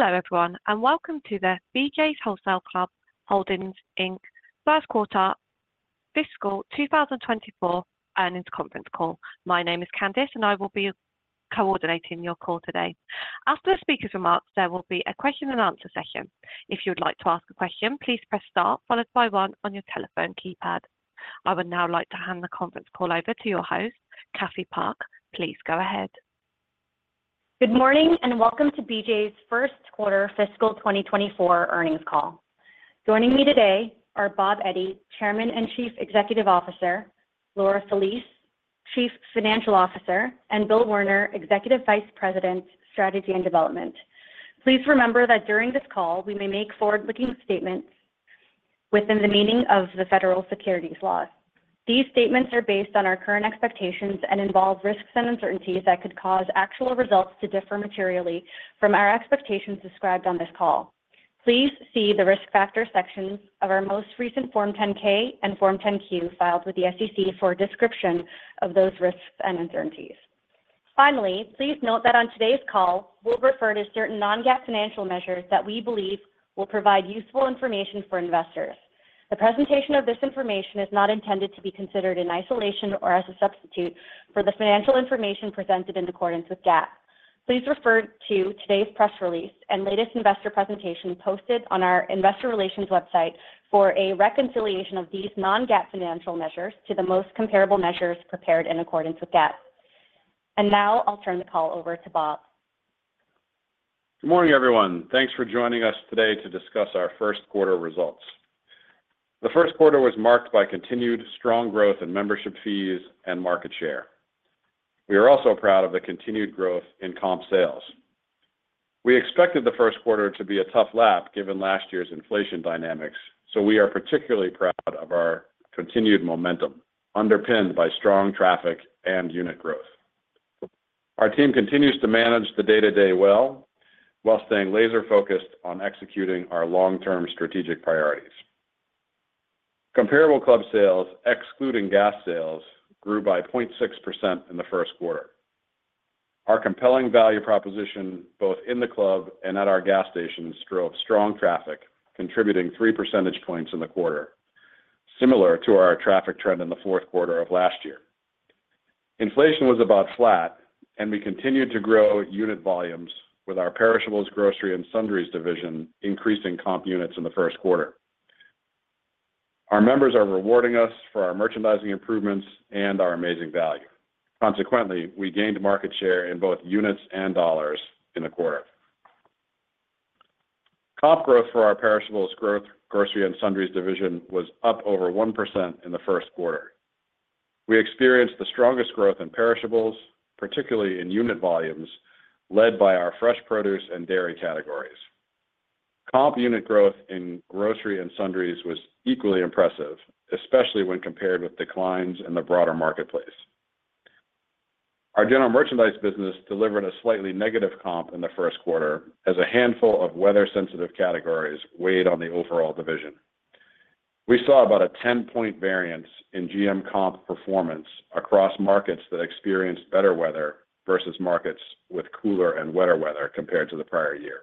Hello, everyone, and welcome to the BJ's Wholesale Club Holdings, Inc., first quarter fiscal 2024 earnings conference call. My name is Candice, and I will be coordinating your call today. After the speaker's remarks, there will be a question and answer session. If you would like to ask a question, please press Star followed by one on your telephone keypad. I would now like to hand the conference call over to your host, Kathy Park. Please go ahead. Good morning, and welcome to BJ's first quarter fiscal 2024 earnings call. Joining me today are Bob Eddy, Chairman and Chief Executive Officer, Laura Felice, Chief Financial Officer, and Bill Werner, Executive Vice President, Strategy and Development. Please remember that during this call, we may make forward-looking statements within the meaning of the federal securities laws. These statements are based on our current expectations and involve risks and uncertainties that could cause actual results to differ materially from our expectations described on this call. Please see the Risk Factors section of our most recent Form 10-K and Form 10-Q filed with the SEC for a description of those risks and uncertainties. Finally, please note that on today's call, we'll refer to certain non-GAAP financial measures that we believe will provide useful information for investors. The presentation of this information is not intended to be considered in isolation or as a substitute for the financial information presented in accordance with GAAP. Please refer to today's press release and latest investor presentation posted on our investor relations website for a reconciliation of these non-GAAP financial measures to the most comparable measures prepared in accordance with GAAP. Now I'll turn the call over to Bob. Good morning, everyone. Thanks for joining us today to discuss our first quarter results. The first quarter was marked by continued strong growth in membership fees and market share. We are also proud of the continued growth in comp sales. We expected the first quarter to be a tough lap, given last year's inflation dynamics, so we are particularly proud of our continued momentum, underpinned by strong traffic and unit growth. Our team continues to manage the day-to-day well, while staying laser-focused on executing our long-term strategic priorities. Comparable club sales, excluding gas sales, grew by 0.6% in the first quarter. Our compelling value proposition, both in the club and at our gas stations, drove strong traffic, contributing 3 percentage points in the quarter, similar to our traffic trend in the fourth quarter of last year. Inflation was about flat, and we continued to grow unit volumes with our perishables, grocery, and sundries division increasing comp units in the first quarter. Our members are rewarding us for our merchandising improvements and our amazing value. Consequently, we gained market share in both units and dollars in the quarter. Comp growth for our perishables growth, grocery, and sundries division was up over 1% in the first quarter. We experienced the strongest growth in perishables, particularly in unit volumes, led by our fresh produce and dairy categories. Comp unit growth in grocery and sundries was equally impressive, especially when compared with declines in the broader marketplace. Our general merchandise business delivered a slightly negative comp in the first quarter as a handful of weather-sensitive categories weighed on the overall division. We saw about a 10-point variance in GM comp performance across markets that experienced better weather versus markets with cooler and wetter weather compared to the prior year.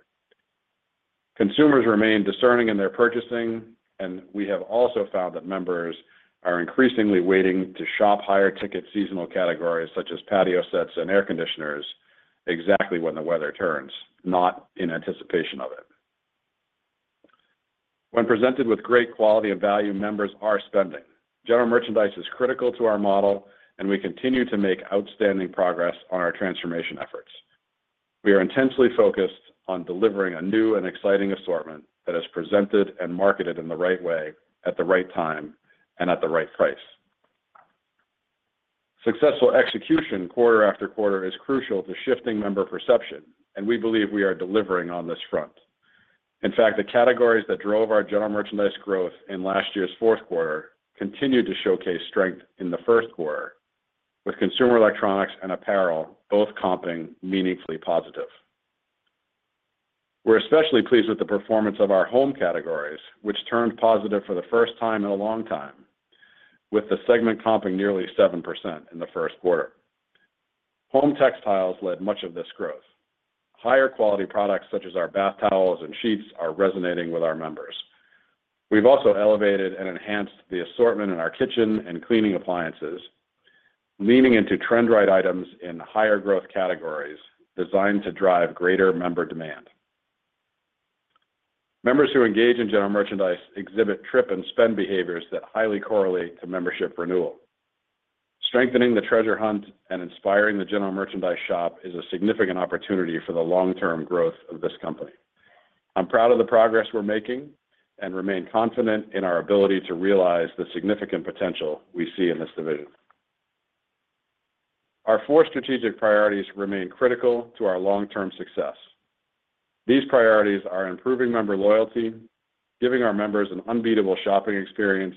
Consumers remain discerning in their purchasing, and we have also found that members are increasingly waiting to shop higher-ticket seasonal categories such as patio sets and air conditioners exactly when the weather turns, not in anticipation of it. When presented with great quality and value, members are spending. General merchandise is critical to our model, and we continue to make outstanding progress on our transformation efforts. We are intensely focused on delivering a new and exciting assortment that is presented and marketed in the right way, at the right time, and at the right price. Successful execution quarter after quarter is crucial to shifting member perception, and we believe we are delivering on this front. In fact, the categories that drove our general merchandise growth in last year's fourth quarter continued to showcase strength in the first quarter, with consumer electronics and apparel both comping meaningfully positive. We're especially pleased with the performance of our home categories, which turned positive for the first time in a long time, with the segment comping nearly 7% in the first quarter. Home textiles led much of this growth. Higher quality products, such as our bath towels and sheets, are resonating with our members. We've also elevated and enhanced the assortment in our kitchen and cleaning appliances, leaning into trend-right items in higher growth categories designed to drive greater member demand. Members who engage in general merchandise exhibit trip and spend behaviors that highly correlate to membership renewal. Strengthening the treasure hunt and inspiring the general merchandise shop is a significant opportunity for the long-term growth of this company. I'm proud of the progress we're making and remain confident in our ability to realize the significant potential we see in this division. Our four strategic priorities remain critical to our long-term success. These priorities are improving member loyalty, giving our members an unbeatable shopping experience,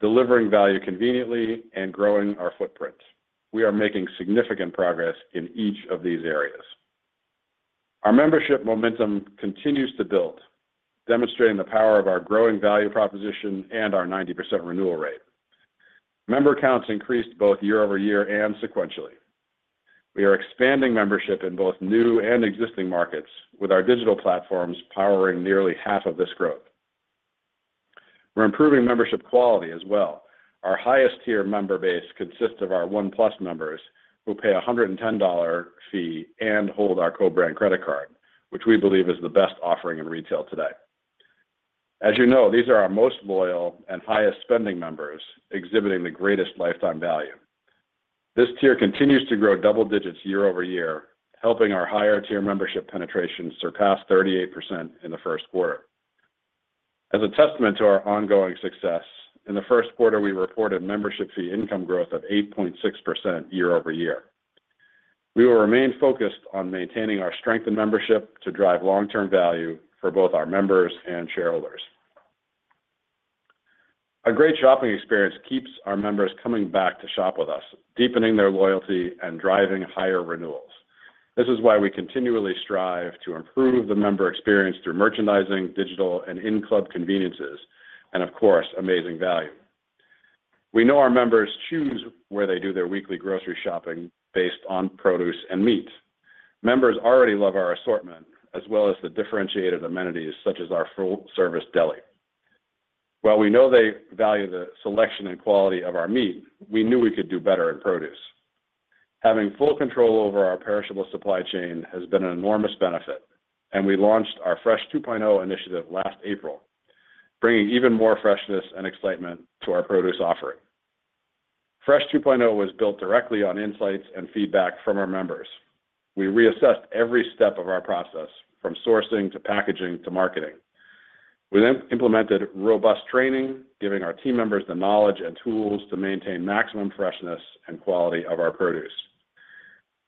delivering value conveniently, and growing our footprint. We are making significant progress in each of these areas. Our membership momentum continues to build, demonstrating the power of our growing value proposition and our 90% renewal rate. Member counts increased both year-over-year and sequentially. We are expanding membership in both new and existing markets, with our digital platforms powering nearly half of this growth. We're improving membership quality as well. Our highest tier member base consists of our One+ members, who pay a $110 fee and hold our co-brand credit card, which we believe is the best offering in retail today. As you know, these are our most loyal and highest spending members, exhibiting the greatest lifetime value. This tier continues to grow double digits year-over-year, helping our higher tier membership penetration surpass 38% in the first quarter. As a testament to our ongoing success, in the first quarter, we reported membership fee income growth of 8.6% year-over-year. We will remain focused on maintaining our strength in membership to drive long-term value for both our members and shareholders. A great shopping experience keeps our members coming back to shop with us, deepening their loyalty and driving higher renewals. This is why we continually strive to improve the member experience through merchandising, digital, and in-club conveniences, and of course, amazing value. We know our members choose where they do their weekly grocery shopping based on produce and meat. Members already love our assortment, as well as the differentiated amenities, such as our full-service deli. While we know they value the selection and quality of our meat, we knew we could do better in produce. Having full control over our perishable supply chain has been an enormous benefit, and we launched our Fresh 2.0 initiative last April, bringing even more freshness and excitement to our produce offering. Fresh 2.0 was built directly on insights and feedback from our members. We reassessed every step of our process, from sourcing, to packaging, to marketing. We then implemented robust training, giving our team members the knowledge and tools to maintain maximum freshness and quality of our produce.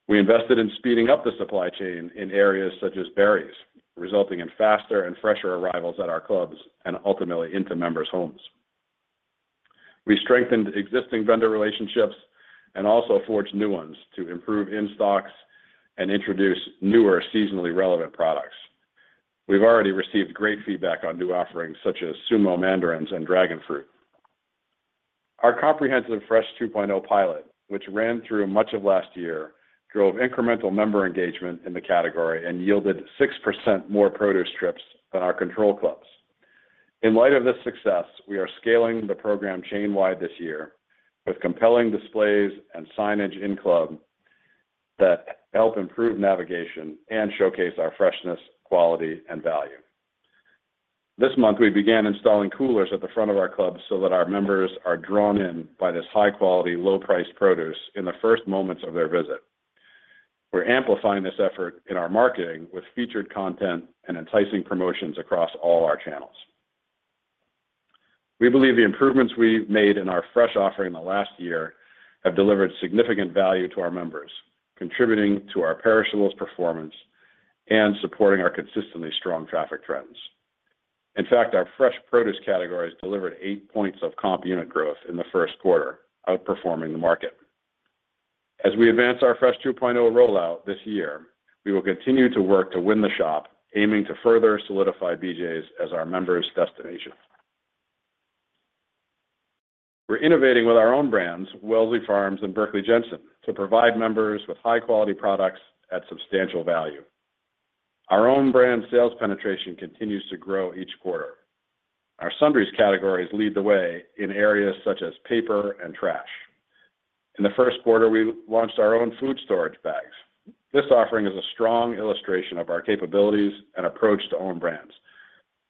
We invested in speeding up the supply chain in areas such as berries, resulting in faster and fresher arrivals at our clubs and ultimately into members' homes. We strengthened existing vendor relationships and also forged new ones to improve in-stocks and introduce newer, seasonally relevant products. We've already received great feedback on new offerings, such as Sumo mandarins and dragon fruit. Our comprehensive Fresh 2.0 pilot, which ran through much of last year, drove incremental member engagement in the category and yielded 6% more produce trips than our control clubs. In light of this success, we are scaling the program chain-wide this year with compelling displays and signage in-club that help improve navigation and showcase our freshness, quality, and value. This month, we began installing coolers at the front of our clubs so that our members are drawn in by this high-quality, low-priced produce in the first moments of their visit. We're amplifying this effort in our marketing with featured content and enticing promotions across all our channels. We believe the improvements we've made in our fresh offering in the last year have delivered significant value to our members, contributing to our perishables performance and supporting our consistently strong traffic trends. In fact, our fresh produce categories delivered 8 points of comp unit growth in the first quarter, outperforming the market. As we advance our Fresh 2.0 rollout this year, we will continue to work to win the shop, aiming to further solidify BJ's as our members' destination. We're innovating with our own brands, Wellsley Farms and Berkley Jensen, to provide members with high-quality products at substantial value. Our own brand sales penetration continues to grow each quarter. Our sundries categories lead the way in areas such as paper and trash. In the first quarter, we launched our own food storage bags. This offering is a strong illustration of our capabilities and approach to own brands.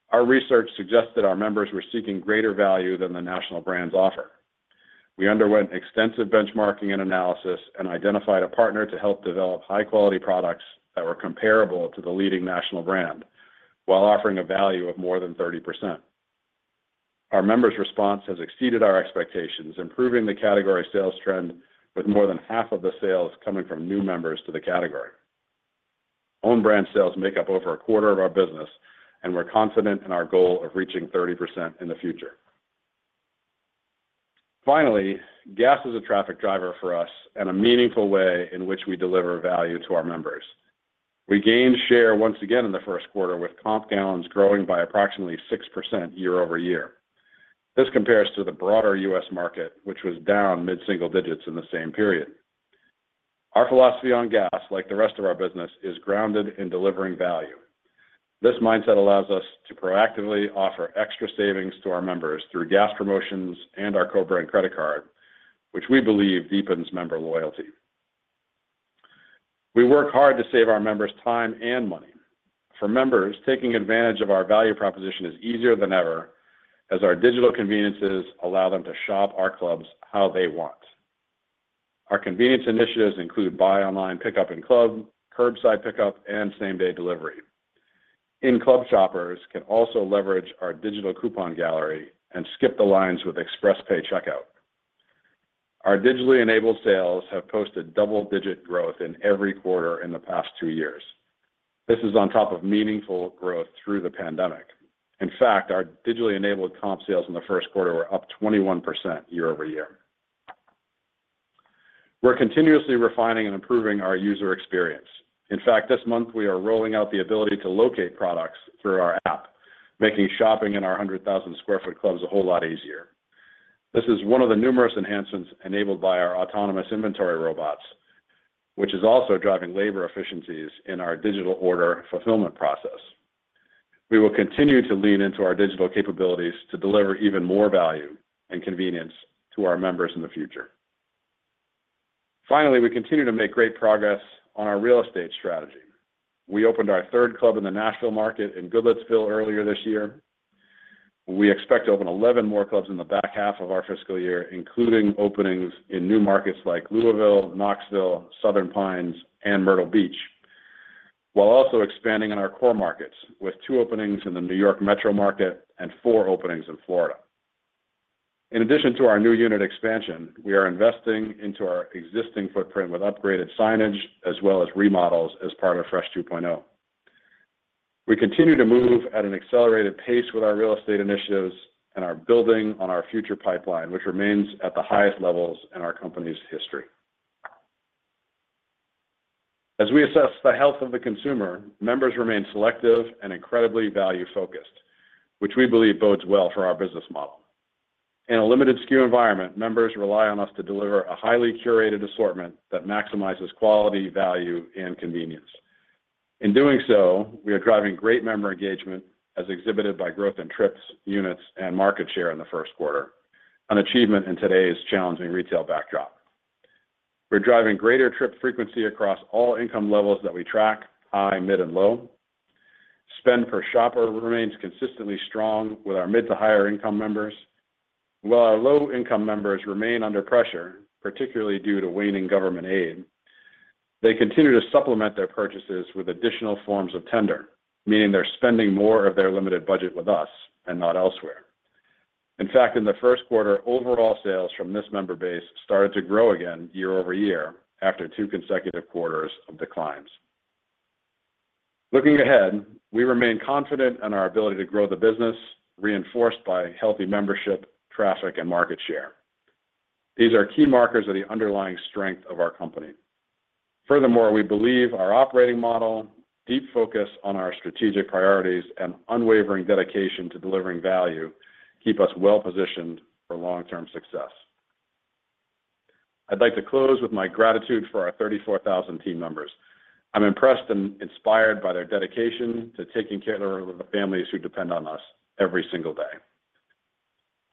Our research suggests that our members were seeking greater value than the national brands offer. We underwent extensive benchmarking and analysis and identified a partner to help develop high-quality products that were comparable to the leading national brand, while offering a value of more than 30%. Our members' response has exceeded our expectations, improving the category sales trend, with more than half of the sales coming from new members to the category. Own brand sales make up over a quarter of our business, and we're confident in our goal of reaching 30% in the future. Finally, gas is a traffic driver for us and a meaningful way in which we deliver value to our members. We gained share once again in the first quarter, with comp gallons growing by approximately 6% year-over-year. This compares to the broader U.S. market, which was down mid-single digits in the same period. Our philosophy on gas, like the rest of our business, is grounded in delivering value. This mindset allows us to proactively offer extra savings to our members through gas promotions and our co-brand credit card, which we believe deepens member loyalty. We work hard to save our members time and money. For members, taking advantage of our value proposition is easier than ever, as our digital conveniences allow them to shop our clubs how they want. Our convenience initiatives include buy online, pickup in-club, curbside pickup, and same-day delivery. In-club shoppers can also leverage our digital coupon gallery and skip the lines with ExpressPay checkout. Our digitally enabled sales have posted double-digit growth in every quarter in the past 2 years. This is on top of meaningful growth through the pandemic. In fact, our digitally enabled comp sales in the first quarter were up 21% year-over-year... We're continuously refining and improving our user experience. In fact, this month, we are rolling out the ability to locate products through our app, making shopping in our 100,000 sq ft clubs a whole lot easier. This is one of the numerous enhancements enabled by our autonomous inventory robots, which is also driving labor efficiencies in our digital order fulfillment process. We will continue to lean into our digital capabilities to deliver even more value and convenience to our members in the future. Finally, we continue to make great progress on our real estate strategy. We opened our third club in the Nashville market in Goodlettsville earlier this year. We expect to open 11 more clubs in the back half of our fiscal year, including openings in new markets like Louisville, Knoxville, Southern Pines, and Myrtle Beach, while also expanding in our core markets, with two openings in the New York metro market and four openings in Florida. In addition to our new unit expansion, we are investing into our existing footprint with upgraded signage as well as remodels as part of Fresh 2.0. We continue to move at an accelerated pace with our real estate initiatives and are building on our future pipeline, which remains at the highest levels in our company's history. As we assess the health of the consumer, members remain selective and incredibly value-focused, which we believe bodes well for our business model. In a limited SKU environment, members rely on us to deliver a highly curated assortment that maximizes quality, value, and convenience. In doing so, we are driving great member engagement as exhibited by growth in trips, units, and market share in the first quarter, an achievement in today's challenging retail backdrop. We're driving greater trip frequency across all income levels that we track, high, mid, and low. Spend per shopper remains consistently strong with our mid to higher income members, while our low-income members remain under pressure, particularly due to waning government aid. They continue to supplement their purchases with additional forms of tender, meaning they're spending more of their limited budget with us and not elsewhere. In fact, in the first quarter, overall sales from this member base started to grow again year over year after two consecutive quarters of declines. Looking ahead, we remain confident in our ability to grow the business, reinforced by healthy membership, traffic, and market share. These are key markers of the underlying strength of our company. Furthermore, we believe our operating model, deep focus on our strategic priorities, and unwavering dedication to delivering value keep us well positioned for long-term success. I'd like to close with my gratitude for our 34,000 team members. I'm impressed and inspired by their dedication to taking care of the families who depend on us every single day.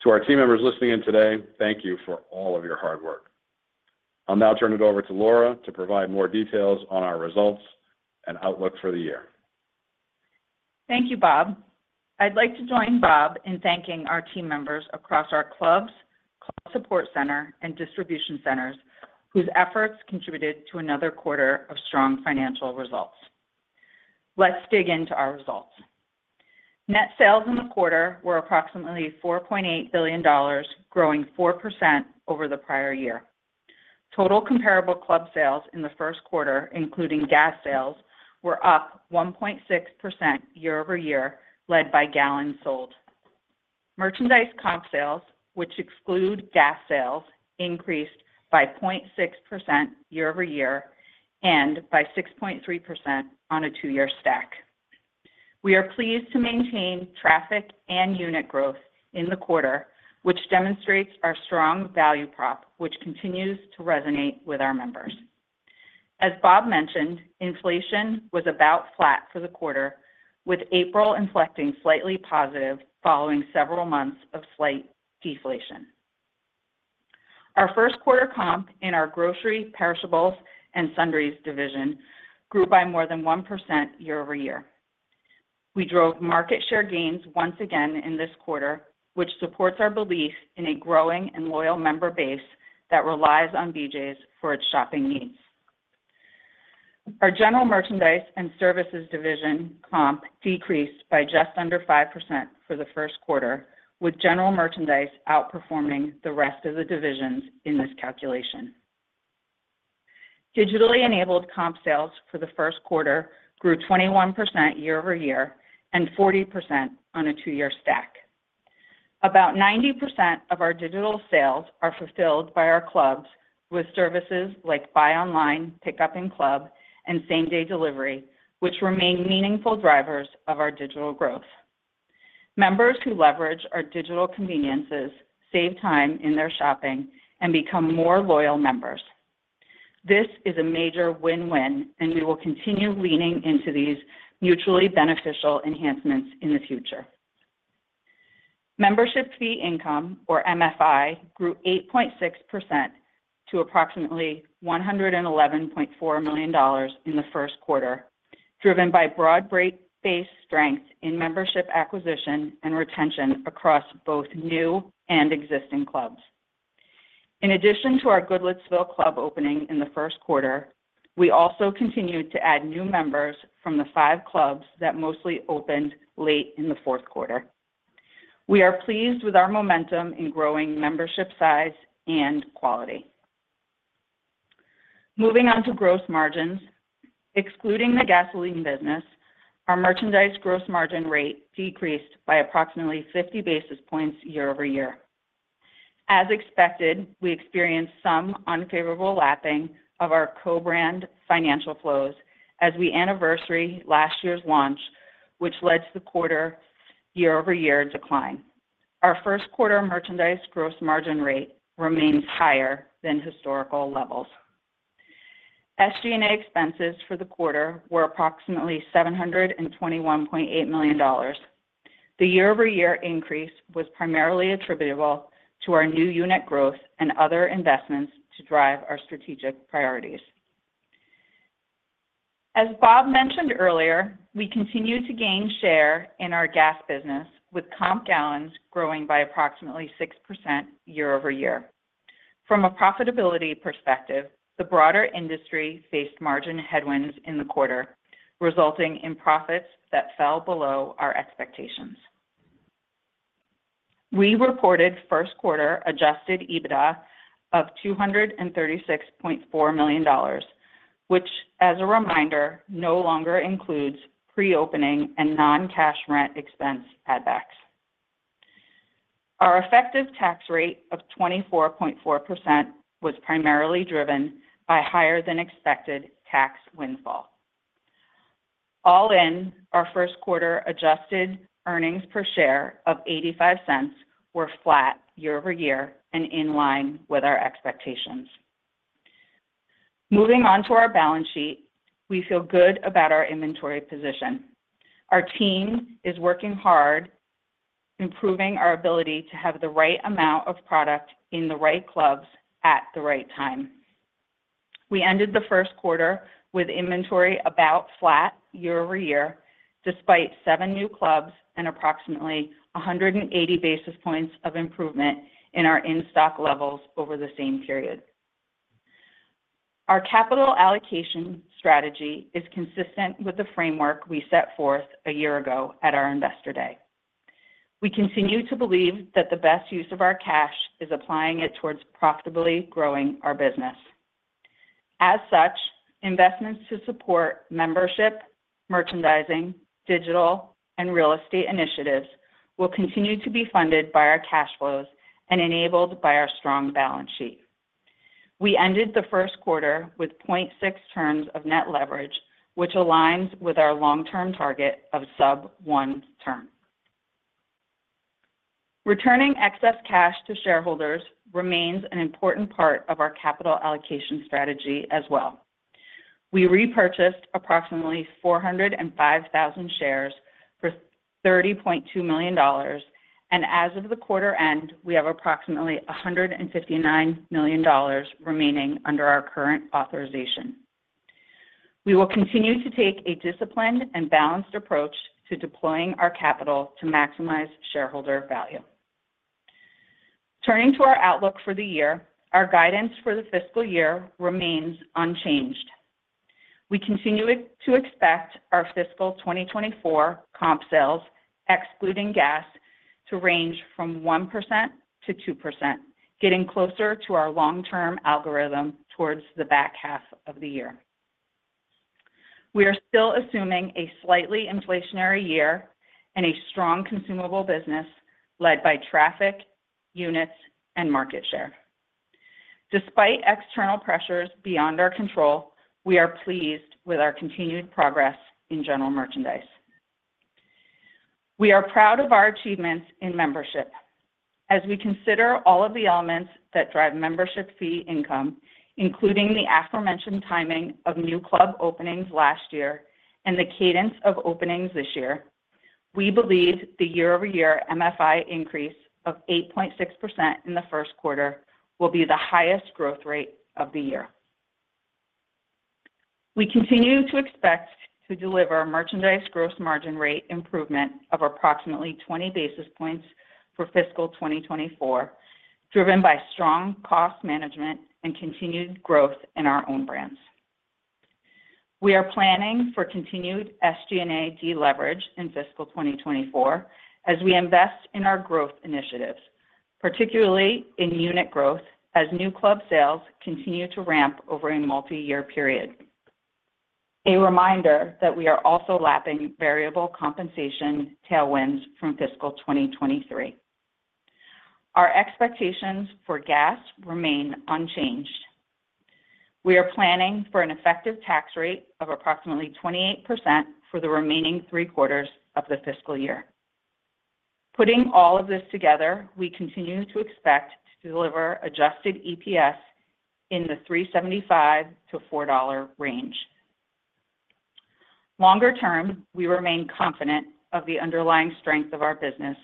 To our team members listening in today, thank you for all of your hard work. I'll now turn it over to Laura to provide more details on our results and outlook for the year. Thank you, Bob. I'd like to join Bob in thanking our team members across our clubs, club support center, and distribution centers, whose efforts contributed to another quarter of strong financial results. Let's dig into our results. Net sales in the quarter were approximately $4.8 billion, growing 4% over the prior year. Total comparable club sales in the first quarter, including gas sales, were up 1.6% year-over-year, led by gallons sold. Merchandise comp sales, which exclude gas sales, increased by 0.6% year-over-year and by 6.3% on a two-year stack. We are pleased to maintain traffic and unit growth in the quarter, which demonstrates our strong value prop, which continues to resonate with our members. As Bob mentioned, inflation was about flat for the quarter, with April inflecting slightly positive following several months of slight deflation. Our first quarter comp in our grocery, perishables, and sundries division grew by more than 1% year-over-year. We drove market share gains once again in this quarter, which supports our belief in a growing and loyal member base that relies on BJ's for its shopping needs. Our general merchandise and services division comp decreased by just under 5% for the first quarter, with general merchandise outperforming the rest of the divisions in this calculation. Digitally enabled comp sales for the first quarter grew 21% year-over-year and 40% on a two-year stack. About 90% of our digital sales are fulfilled by our clubs with services like buy online, pickup in club, and same-day delivery, which remain meaningful drivers of our digital growth. Members who leverage our digital conveniences save time in their shopping and become more loyal members. This is a major win-win, and we will continue leaning into these mutually beneficial enhancements in the future. Membership fee income, or MFI, grew 8.6% to approximately $111.4 million in the first quarter, driven by broad-based strength in membership acquisition and retention across both new and existing clubs. In addition to our Goodlettsville club opening in the first quarter, we also continued to add new members from the five clubs that mostly opened late in the fourth quarter. We are pleased with our momentum in growing membership size and quality.... Moving on to gross margins. Excluding the gasoline business, our merchandise gross margin rate decreased by approximately 50 basis points year-over-year. As expected, we experienced some unfavorable lapping of our co-brand financial flows as we anniversary last year's launch, which led to the quarter year-over-year decline. Our first quarter merchandise gross margin rate remains higher than historical levels. SG&A expenses for the quarter were approximately $721.8 million. The year-over-year increase was primarily attributable to our new unit growth and other investments to drive our strategic priorities. As Bob mentioned earlier, we continue to gain share in our gas business, with comp gallons growing by approximately 6% year-over-year. From a profitability perspective, the broader industry faced margin headwinds in the quarter, resulting in profits that fell below our expectations. We reported first quarter adjusted EBITDA of $236.4 million, which, as a reminder, no longer includes pre-opening and non-cash rent expense add backs. Our effective tax rate of 24.4% was primarily driven by higher than expected tax windfall. All in, our first quarter adjusted earnings per share of $0.85 were flat year-over-year and in line with our expectations. Moving on to our balance sheet, we feel good about our inventory position. Our team is working hard, improving our ability to have the right amount of product in the right clubs at the right time. We ended the first quarter with inventory about flat year-over-year, despite 7 new clubs and approximately 180 basis points of improvement in our in-stock levels over the same period. Our capital allocation strategy is consistent with the framework we set forth a year ago at our Investor Day. We continue to believe that the best use of our cash is applying it towards profitably growing our business. As such, investments to support membership, merchandising, digital, and real estate initiatives will continue to be funded by our cash flows and enabled by our strong balance sheet. We ended the first quarter with 0.6 turns of net leverage, which aligns with our long-term target of sub-1 turn. Returning excess cash to shareholders remains an important part of our capital allocation strategy as well. We repurchased approximately 405,000 shares for $30.2 million, and as of the quarter end, we have approximately $159 million remaining under our current authorization. We will continue to take a disciplined and balanced approach to deploying our capital to maximize shareholder value. Turning to our outlook for the year, our guidance for the fiscal year remains unchanged. We continue to expect our fiscal 2024 comp sales, excluding gas, to range from 1%-2%, getting closer to our long-term algorithm towards the back half of the year. We are still assuming a slightly inflationary year and a strong consumable business led by traffic, units, and market share. Despite external pressures beyond our control, we are pleased with our continued progress in general merchandise. We are proud of our achievements in membership. As we consider all of the elements that drive membership fee income, including the aforementioned timing of new club openings last year and the cadence of openings this year, we believe the year-over-year MFI increase of 8.6% in the first quarter will be the highest growth rate of the year. We continue to expect to deliver a merchandise gross margin rate improvement of approximately 20 basis points for fiscal 2024, driven by strong cost management and continued growth in our own brands. We are planning for continued SG&A deleverage in fiscal 2024 as we invest in our growth initiatives, particularly in unit growth, as new club sales continue to ramp over a multi-year period. A reminder that we are also lapping variable compensation tailwinds from fiscal 2023. Our expectations for gas remain unchanged. We are planning for an effective tax rate of approximately 28% for the remaining three quarters of the fiscal year. Putting all of this together, we continue to expect to deliver Adjusted EPS in the $3.75-$4 range. Longer term, we remain confident of the underlying strength of our business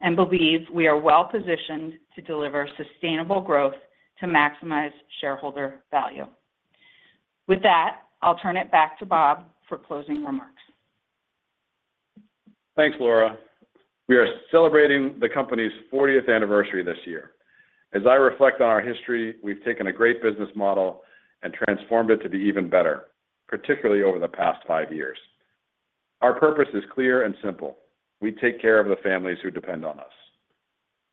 and believe we are well positioned to deliver sustainable growth to maximize shareholder value. With that, I'll turn it back to Bob for closing remarks. Thanks, Laura. We are celebrating the company's 40th anniversary this year. As I reflect on our history, we've taken a great business model and transformed it to be even better, particularly over the past 5 years. Our purpose is clear and simple: We take care of the families who depend on us....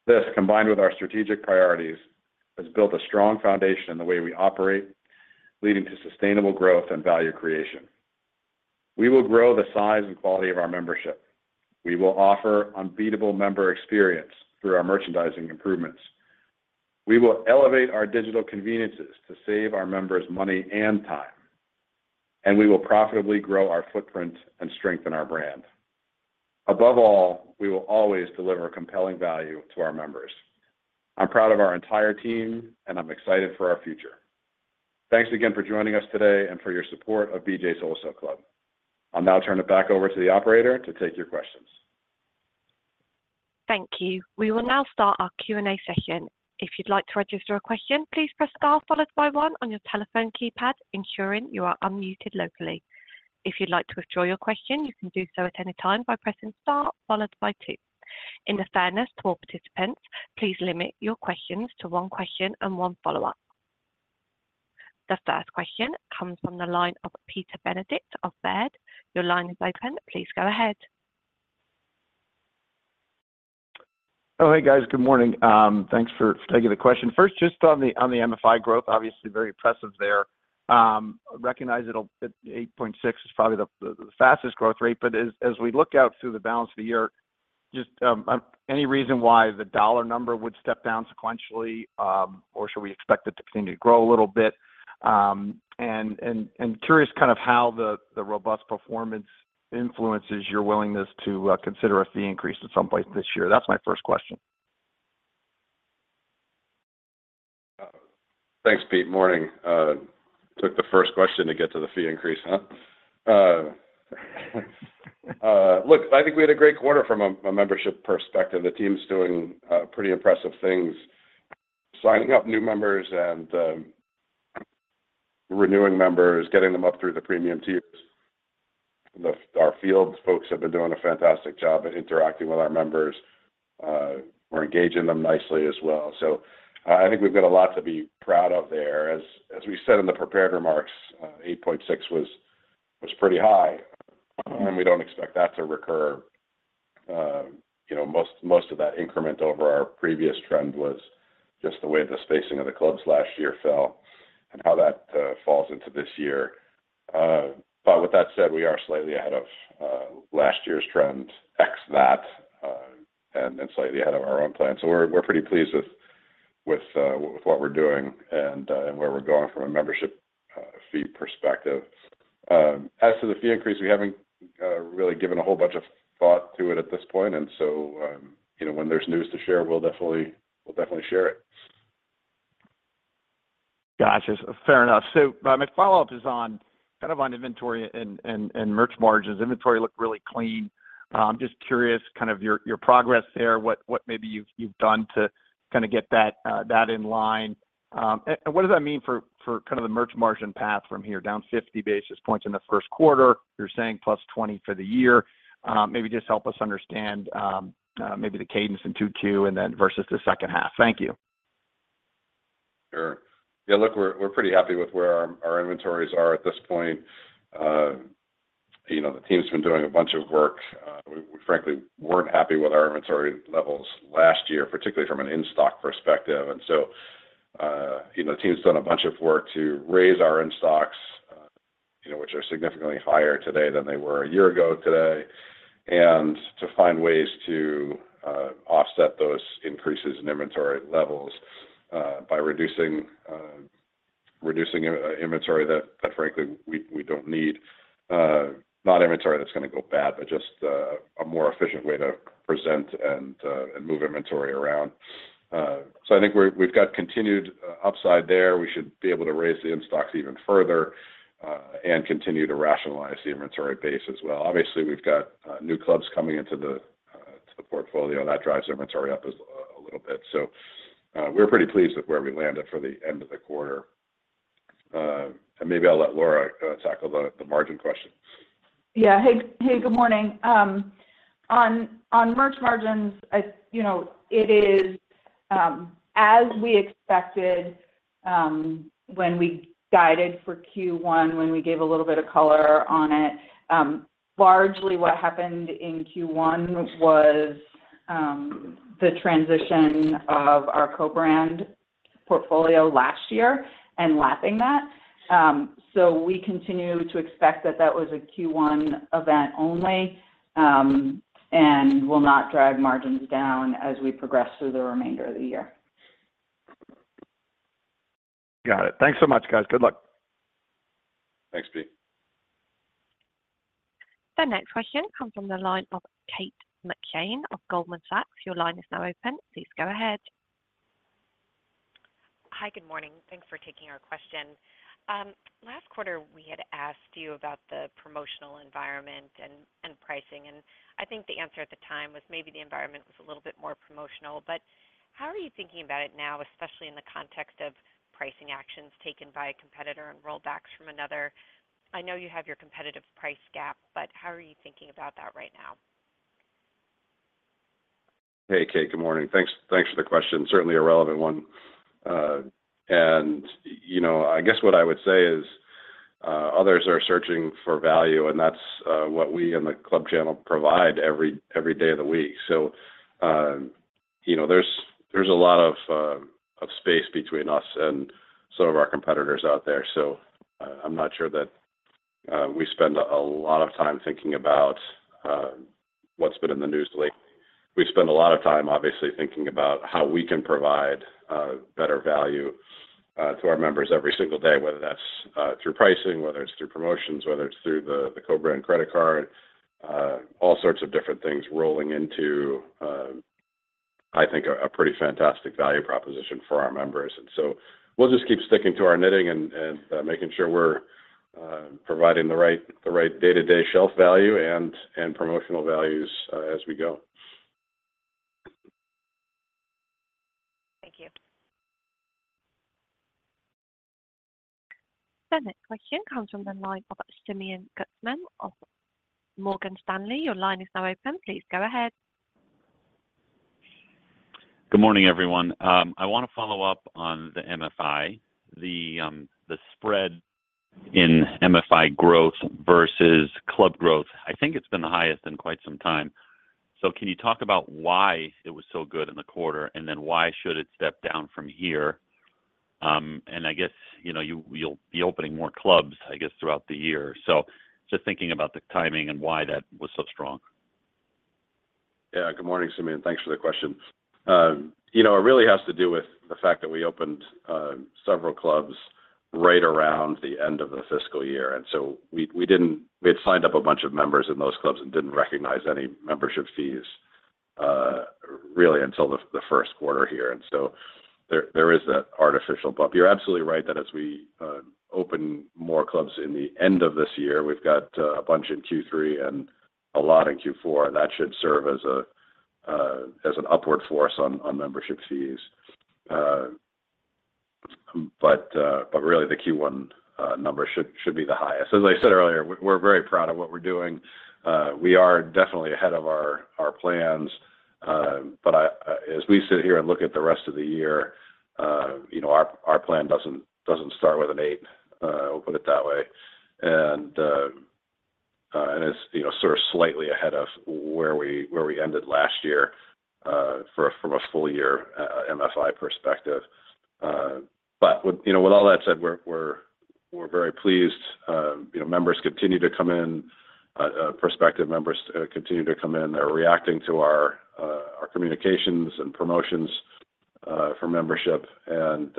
This, combined with our strategic priorities, has built a strong foundation in the way we operate, leading to sustainable growth and value creation. We will grow the size and quality of our membership. We will offer unbeatable member experience through our merchandising improvements. We will elevate our digital conveniences to save our members money and time, and we will profitably grow our footprint and strengthen our brand. Above all, we will always deliver compelling value to our members. I'm proud of our entire team, and I'm excited for our future. Thanks again for joining us today and for your support of BJ's Wholesale Club. I'll now turn it back over to the operator to take your questions. Thank you. We will now start our Q&A session. If you'd like to register a question, please press star followed by one on your telephone keypad, ensuring you are unmuted locally. If you'd like to withdraw your question, you can do so at any time by pressing star followed by two. In the fairness to all participants, please limit your questions to one question and one follow-up. The first question comes from the line of Peter Benedict of Baird. Your line is open. Please go ahead. Oh, hey, guys. Good morning. Thanks for taking the question. First, just on the MFI growth, obviously very impressive there. Recognize it'll-- that 8.6 is probably the fastest growth rate, but as we look out through the balance of the year, just any reason why the dollar number would step down sequentially, or should we expect it to continue to grow a little bit? And curious kind of how the robust performance influences your willingness to consider a fee increase at some point this year. That's my first question. Thanks, Pete. Morning. Took the first question to get to the fee increase, huh? Look, I think we had a great quarter from a membership perspective. The team's doing pretty impressive things, signing up new members and renewing members, getting them up through the premium tiers. Our field folks have been doing a fantastic job at interacting with our members. We're engaging them nicely as well. So, I think we've got a lot to be proud of there. As we said in the prepared remarks, 8.6 was pretty high, and we don't expect that to recur. You know, most of that increment over our previous trend was just the way the spacing of the clubs last year fell and how that falls into this year. But with that said, we are slightly ahead of last year's trend, scratch that, and then slightly ahead of our own plan. So we're pretty pleased with what we're doing and where we're going from a membership fee perspective. As to the fee increase, we haven't really given a whole bunch of thought to it at this point, and so you know, when there's news to share, we'll definitely—we'll definitely share it. Gotcha. Fair enough. So, my follow-up is on kind of on inventory and merch margins. Inventory looked really clean. I'm just curious, kind of your progress there, what maybe you've done to kinda get that in line. And what does that mean for kind of the merch margin path from here, down 50 basis points in the first quarter? You're saying plus 20 for the year. Maybe just help us understand, maybe the cadence in 2Q and then versus the second half. Thank you. Sure. Yeah, look, we're pretty happy with where our inventories are at this point. You know, the team's been doing a bunch of work. We frankly weren't happy with our inventory levels last year, particularly from an in-stock perspective. And so, the team's done a bunch of work to raise our in-stocks, you know, which are significantly higher today than they were a year ago today, and to find ways to offset those increases in inventory levels by reducing inventory that frankly we don't need. Not inventory that's gonna go bad, but just a more efficient way to present and move inventory around. So I think we've got continued upside there. We should be able to raise the in-stocks even further, and continue to rationalize the inventory base as well. Obviously, we've got new clubs coming into the portfolio, that drives inventory up as a little bit. So, we're pretty pleased with where we landed for the end of the quarter. And maybe I'll let Laura tackle the margin question. Yeah. Hey, hey, good morning. On merch margins, you know, it is as we expected when we guided for Q1, when we gave a little bit of color on it. Largely, what happened in Q1 was the transition of our co-brand portfolio last year and lapping that. So we continue to expect that that was a Q1 event only, and will not drive margins down as we progress through the remainder of the year. Got it. Thanks so much, guys. Good luck. Thanks, Pete. The next question comes from the line of Kate McShane of Goldman Sachs. Your line is now open. Please go ahead. Hi, good morning. Thanks for taking our question. Last quarter, we had asked you about the promotional environment and pricing, and I think the answer at the time was maybe the environment was a little bit more promotional. But how are you thinking about it now, especially in the context of pricing actions taken by a competitor and rollbacks from another? I know you have your competitive price gap, but how are you thinking about that right now? Hey, Kate. Good morning. Thanks, thanks for the question. Certainly a relevant one. You know, I guess what I would say is others are searching for value, and that's what we and the Club channel provide every day of the week. So, you know, there's a lot of space between us and some of our competitors out there. So I'm not sure that we spend a lot of time thinking about what's been in the news lately. We spend a lot of time, obviously, thinking about how we can provide better value to our members every single day, whether that's through pricing, whether it's through promotions, whether it's through the co-brand credit card, all sorts of different things rolling into I think a pretty fantastic value proposition for our members. And so we'll just keep sticking to our knitting and making sure we're providing the right day-to-day shelf value and promotional values as we go. Thank you. The next question comes from the line of Simeon Gutman of Morgan Stanley. Your line is now open. Please go ahead. Good morning, everyone. I want to follow up on the MFI, the, the spread in MFI growth versus club growth. I think it's been the highest in quite some time. So can you talk about why it was so good in the quarter, and then why should it step down from here? And I guess, you know, you'll be opening more clubs, I guess, throughout the year. So just thinking about the timing and why that was so strong. Yeah. Good morning, Simeon. Thanks for the question. You know, it really has to do with the fact that we opened several clubs right around the end of the fiscal year, and so we didn't-- We had signed up a bunch of members in those clubs and didn't recognize any membership fees really until the first quarter here, and so there is that artificial bump. You're absolutely right that as we open more clubs in the end of this year, we've got a bunch in Q3 and a lot in Q4, and that should serve as a as an upward force on membership fees. But really, the Q1 number should be the highest. As I said earlier, we're very proud of what we're doing. We are definitely ahead of our plans. But as we sit here and look at the rest of the year, you know, our plan doesn't start with an eight, we'll put it that way. And it's, you know, sort of slightly ahead of where we ended last year, from a full year MFI perspective. But, you know, with all that said, we're very pleased. You know, members continue to come in, prospective members continue to come in. They're reacting to our communications and promotions for membership. And,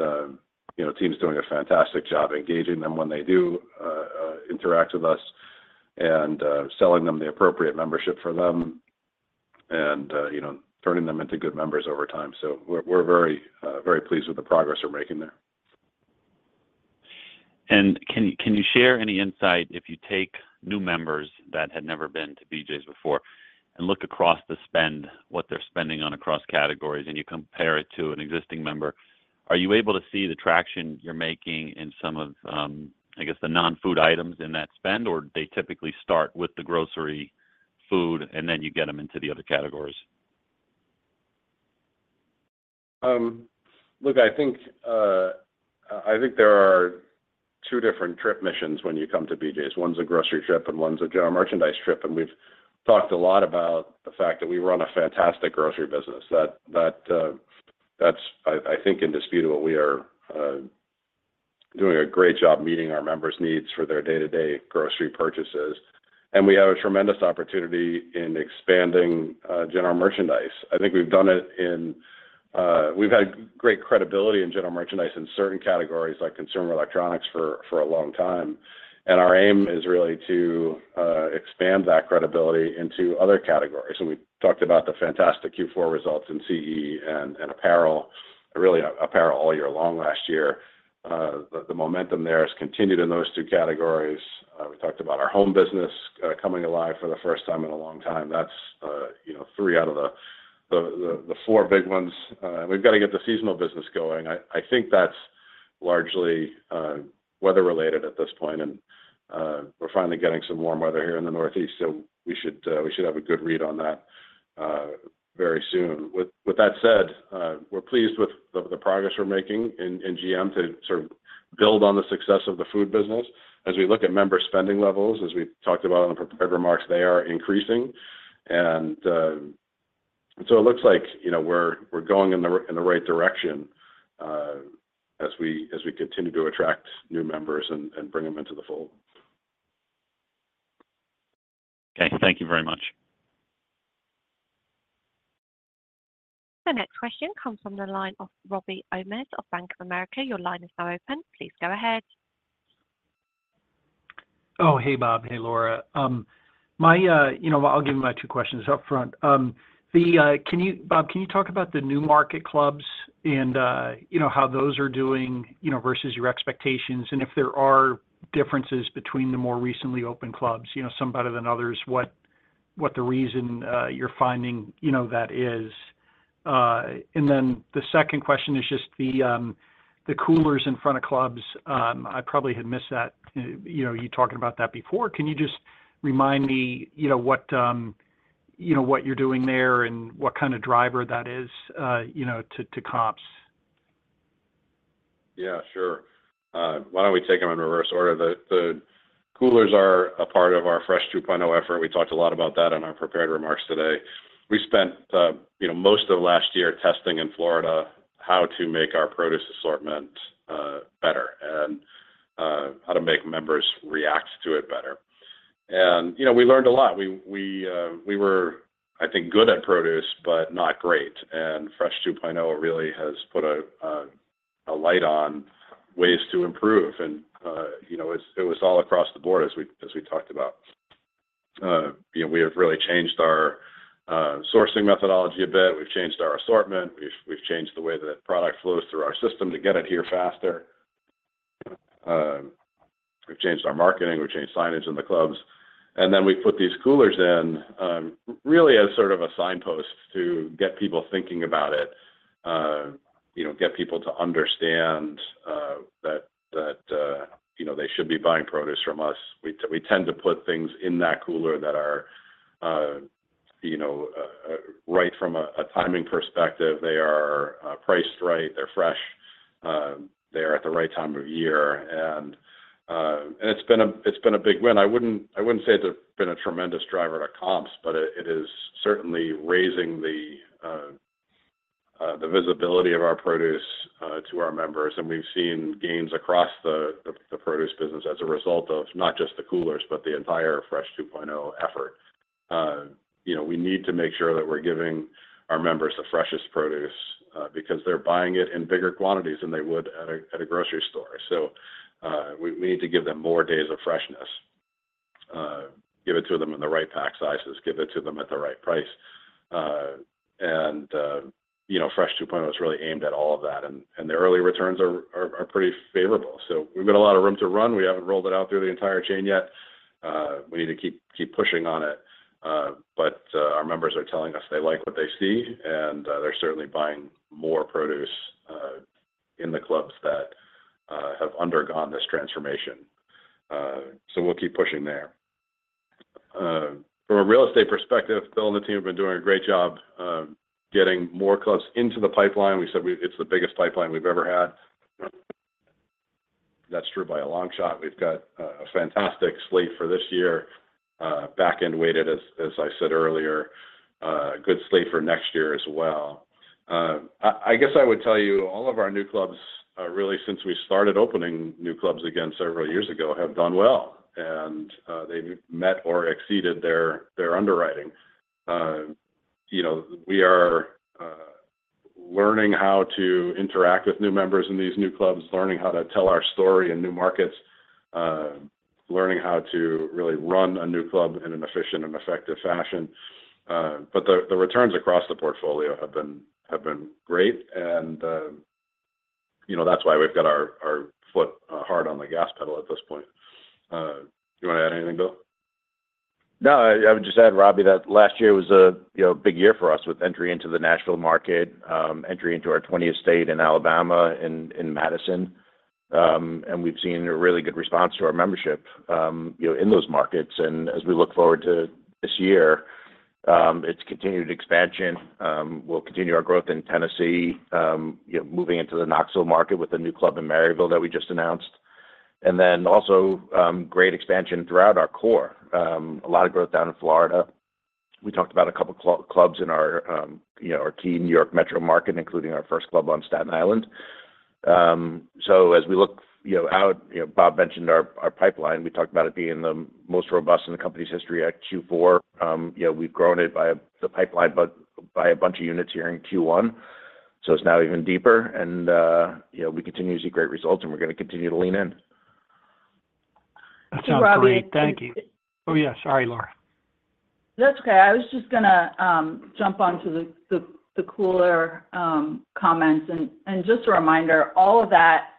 you know, team's doing a fantastic job engaging them when they do interact with us and selling them the appropriate membership for them and, you know, turning them into good members over time. So we're very pleased with the progress we're making there. Can you share any insight, if you take new members that had never been to BJ's before and look across the spend, what they're spending on across categories, and you compare it to an existing member, are you able to see the traction you're making in some of, I guess, the non-food items in that spend, or they typically start with the grocery food, and then you get them into the other categories? Look, I think I think there are two different trip missions when you come to BJ's. One's a grocery trip, and one's a general merchandise trip. We've talked a lot about the fact that we run a fantastic grocery business. That's, I think, indisputable. We are doing a great job meeting our members' needs for their day-to-day grocery purchases, and we have a tremendous opportunity in expanding general merchandise. I think we've done it in, we've had great credibility in general merchandise in certain categories, like consumer electronics, for a long time. And our aim is really to expand that credibility into other categories. We talked about the fantastic Q4 results in CE and apparel, really apparel all year long last year. The momentum there has continued in those two categories. We talked about our home business coming alive for the first time in a long time. That's, you know, three out of the four big ones. We've got to get the seasonal business going. I think that's largely weather related at this point, and we're finally getting some warm weather here in the Northeast, so we should have a good read on that very soon. With that said, we're pleased with the progress we're making in GM to sort of build on the success of the food business. As we look at member spending levels, as we talked about on the prepared remarks, they are increasing. And, so it looks like, you know, we're going in the right direction, as we continue to attract new members and bring them into the fold. Okay. Thank you very much. The next question comes from the line of Robbie Ohmes of Bank of America. Your line is now open. Please go ahead. Oh, hey, Bob. Hey, Laura. You know what? I'll give you my two questions upfront. Bob, can you talk about the new market clubs and, you know, how those are doing, you know, versus your expectations, and if there are differences between the more recently opened clubs, you know, some better than others, what the reason you're finding, you know, that is? And then the second question is just the coolers in front of clubs. I probably had missed that, you know, you talking about that before. Can you just remind me, you know, what you know what you're doing there and what kind of driver that is, you know, to comps? Yeah, sure. Why don't we take them in reverse order? The coolers are a part of our Fresh 2.0 effort. We talked a lot about that in our prepared remarks today. We spent, you know, most of last year testing in Florida, how to make our produce assortment better and how to make members react to it better. And, you know, we learned a lot. We were, I think, good at produce, but not great. And Fresh 2.0 really has put a light on ways to improve. And, you know, it's—it was all across the board as we talked about. You know, we have really changed our sourcing methodology a bit. We've changed our assortment. We've changed the way that product flows through our system to get it here faster. We've changed our marketing, we've changed signage in the clubs, and then we put these coolers in, really as sort of a signpost to get people thinking about it. You know, get people to understand that you know, they should be buying produce from us. We tend to put things in that cooler that are right from a timing perspective. They are priced right, they're fresh, they are at the right time of year. And it's been a big win. I wouldn't say it's been a tremendous driver to comps, but it is certainly raising the visibility of our produce to our members. We've seen gains across the produce business as a result of not just the coolers, but the entire Fresh 2.0 effort. You know, we need to make sure that we're giving our members the freshest produce, because they're buying it in bigger quantities than they would at a grocery store. So, we need to give them more days of freshness, give it to them in the right pack sizes, give it to them at the right price. And, you know, Fresh 2.0 is really aimed at all of that. And the early returns are pretty favorable. So we've got a lot of room to run. We haven't rolled it out through the entire chain yet. We need to keep, keep pushing on it, but our members are telling us they like what they see, and they're certainly buying more produce in the clubs that have undergone this transformation. So we'll keep pushing there. From a real estate perspective, Bill and the team have been doing a great job getting more clubs into the pipeline. We said it's the biggest pipeline we've ever had. That's true by a long shot. We've got a fantastic slate for this year, back-end weighted, as I said earlier, good slate for next year as well. I guess I would tell you, all of our new clubs, really since we started opening new clubs again several years ago, have done well, and they've met or exceeded their underwriting. You know, we are learning how to interact with new members in these new clubs, learning how to tell our story in new markets, learning how to really run a new club in an efficient and effective fashion. But the returns across the portfolio have been great. And you know, that's why we've got our foot hard on the gas pedal at this point. You want to add anything, Bill? No, I would just add, Robbie, that last year was a you know big year for us with entry into the Nashville market, entry into our 20th state in Alabama, in Madison. And we've seen a really good response to our membership, you know, in those markets. And as we look forward to this year, it's continued expansion. We'll continue our growth in Tennessee, you know, moving into the Knoxville market with a new club in Maryville that we just announced. And then also great expansion throughout our core. A lot of growth down in Florida. We talked about a couple clubs in our, you know, our key New York metro market, including our first club on Staten Island. So as we look, you know, out, you know, Bob mentioned our pipeline. We talked about it being the most robust in the company's history at Q4. You know, we've grown it by the pipeline, but by a bunch of units here in Q1. So it's now even deeper. And, you know, we continue to see great results, and we're gonna continue to lean in. That sounds great. Thank you. Robbie- Oh, yeah, sorry, Laura. That's okay. I was just gonna jump onto the cooler comments. And just a reminder, all of that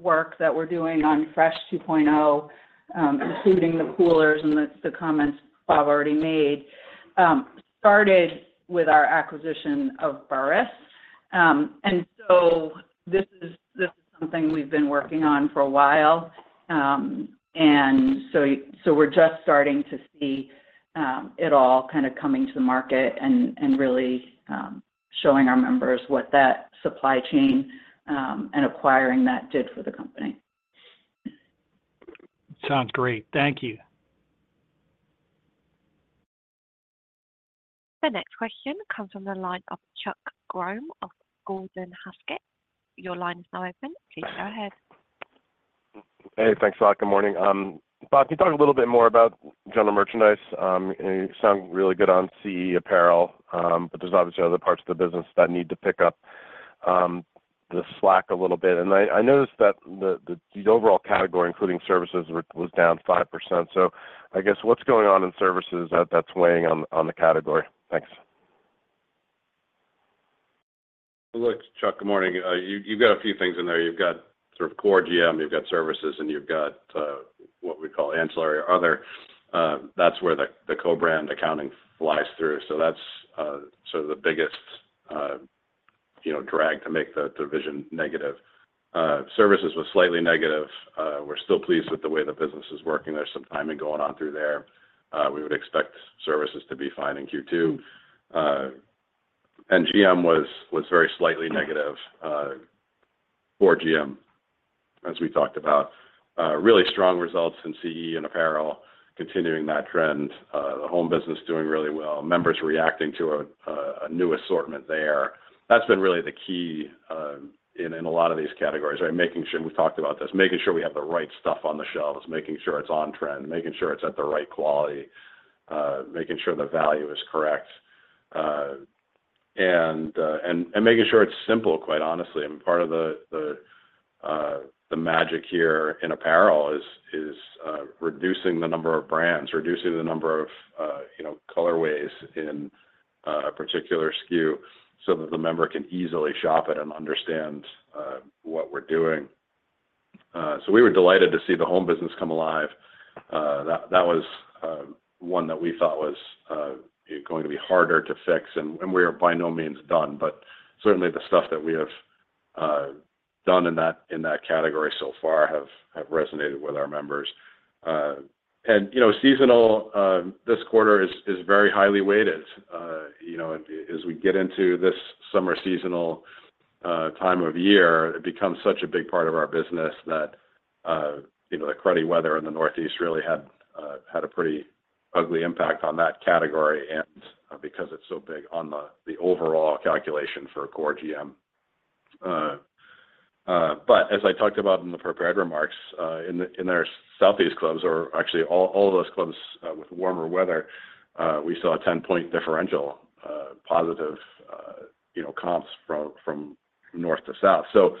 work that we're doing on Fresh 2.0, including the coolers and the comments Bob already made, started with our acquisition of Burris. And so this is something we've been working on for a while. And so we're just starting to see it all kind of coming to the market and really showing our members what that supply chain and acquiring that did for the company. Sounds great. Thank you. The next question comes from the line of Chuck Grom of Gordon Haskett. Your line is now open. Please go ahead. Hey, thanks a lot. Good morning. Bob, can you talk a little bit more about general merchandise? You sound really good on CE apparel, but there's obviously other parts of the business that need to pick up the slack a little bit. And I noticed that the overall category, including services, was down 5%. So I guess, what's going on in services that's weighing on the category? Thanks. Look, Chuck, good morning. You, you've got a few things in there. You've got sort of core GM, you've got services, and you've got what we call ancillary other. That's where the co-brand accounting flies through. So that's sort of the biggest you know, drag to make the vision negative. Services was slightly negative. We're still pleased with the way the business is working. There's some timing going on through there. We would expect services to be fine in Q2. And GM was very slightly negative for GM, as we talked about. Really strong results in CE and apparel, continuing that trend. The home business doing really well. Members reacting to a new assortment there. That's been really the key in a lot of these categories, right? Making sure, we talked about this, making sure we have the right stuff on the shelves, making sure it's on trend, making sure it's at the right quality, making sure the value is correct, and, and, and making sure it's simple, quite honestly. And part of the magic here in apparel is reducing the number of brands, reducing the number of, you know, colorways in a particular SKU so that the member can easily shop it and understand what we're doing. So we were delighted to see the home business come alive. That was one that we thought was going to be harder to fix, and we are by no means done. But certainly, the stuff that we have done in that category so far have resonated with our members. And, you know, seasonal this quarter is very highly weighted. You know, as we get into this summer seasonal time of year, it becomes such a big part of our business that, you know, the cruddy weather in the Northeast really had a pretty ugly impact on that category, and because it's so big on the overall calculation for core GM. But as I talked about in the prepared remarks, in our Southeast clubs or actually, all of those clubs with warmer weather, we saw a 10-point differential, positive, you know, comps from north to south. So,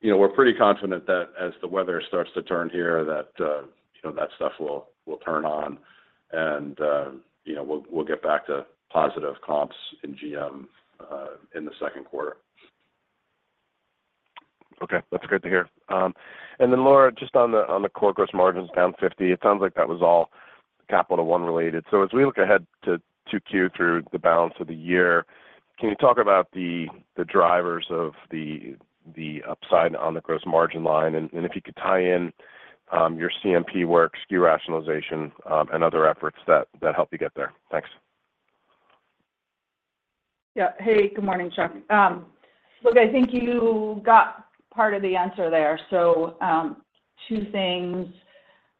you know, we're pretty confident that as the weather starts to turn here, that, you know, that stuff will, will turn on, and, you know, we'll, we'll get back to positive comps in GM, in the second quarter. Okay. That's great to hear. And then, Laura, just on the core gross margins, down 50, it sounds like that was all Capital One related. So as we look ahead to Q through the balance of the year, can you talk about the drivers of the upside on the gross margin line? And if you could tie in your CMP work, SKU rationalization, and other efforts that help you get there. Thanks. Yeah. Hey, good morning, Chuck. Look, I think you got part of the answer there. So, two things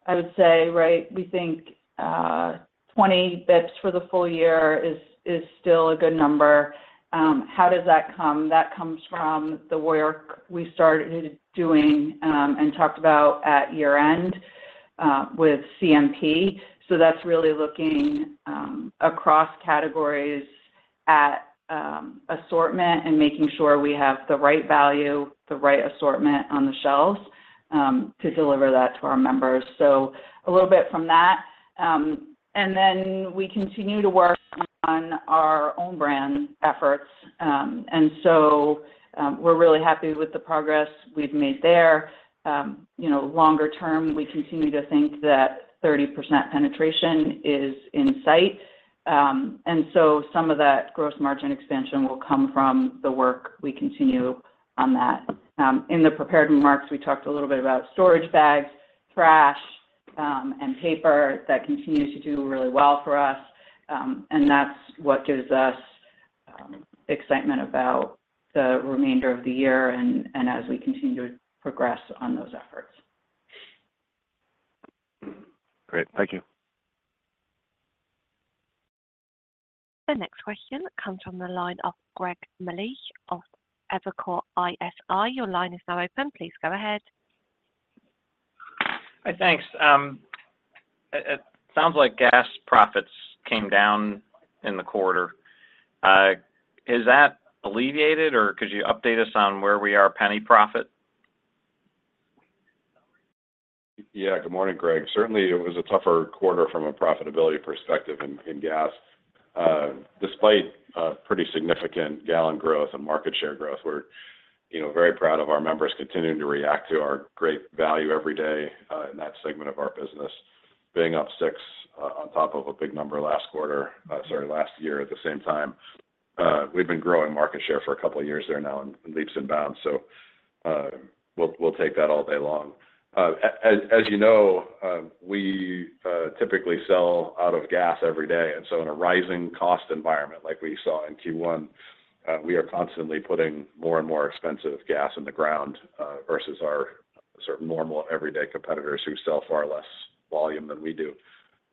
I would say, right? We think, 20 basis points for the full year is still a good number. How does that come? That comes from the work we started doing and talked about at year-end with CMP. So that's really looking across categories at assortment and making sure we have the right value, the right assortment on the shelves to deliver that to our members. So a little bit from that. And then we continue to work on our own brand efforts. And so, we're really happy with the progress we've made there. You know, longer term, we continue to think that 30% penetration is in sight. And so some of that gross margin expansion will come from the work we continue on that. In the prepared remarks, we talked a little bit about storage bags, trash, and paper. That continues to do really well for us, and that's what gives us excitement about the remainder of the year and as we continue to progress on those efforts. Great. Thank you. The next question comes from the line of Greg Melich of Evercore ISI. Your line is now open. Please go ahead. Hi, thanks. It sounds like gas profits came down in the quarter. Is that alleviated, or could you update us on where we are, penny profit? Yeah. Good morning, Greg. Certainly, it was a tougher quarter from a profitability perspective in gas. Despite a pretty significant gallon growth and market share growth, we're, you know, very proud of our members continuing to react to our great value every day in that segment of our business. Being up 6 on top of a big number last quarter, sorry, last year at the same time, we've been growing market share for a couple of years there now in leaps and bounds. So, we'll take that all day long. As you know, we typically sell out of gas every day, and so in a rising cost environment like we saw in Q1, we are constantly putting more and more expensive gas in the ground versus our sort of normal everyday competitors who sell far less volume than we do.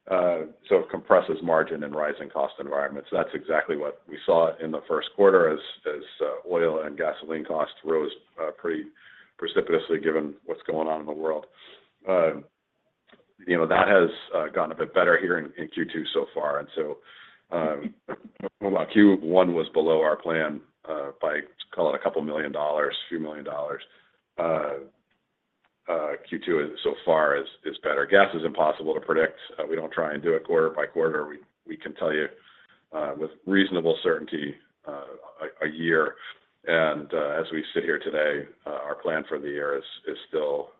So it compresses margin in rising cost environments. That's exactly what we saw in the first quarter as oil and gasoline costs rose pretty precipitously, given what's going on in the world. You know, that has gotten a bit better here in Q2 so far. And so, while Q1 was below our plan by, let's call it a couple million dollars, a few million dollars, Q2 so far is better. Gas is impossible to predict. We don't try and do it quarter by quarter. We can tell you with reasonable certainty a year. As we sit here today, our plan for the year is still